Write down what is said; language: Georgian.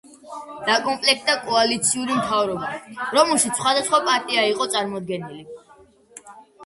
დაკომპლექტდა კოალიციური მთავრობა, რომელშიც სხვადასხვა პარტია იყო წარმოდგენილი.